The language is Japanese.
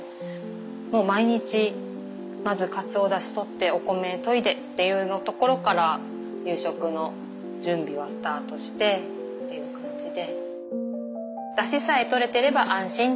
もう毎日まずかつおだしとってお米といでっていうところから夕食の準備はスタートしてっていう感じで。